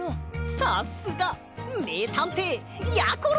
さすがめいたんていやころ！